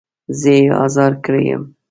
زه يې ازار کړی يم.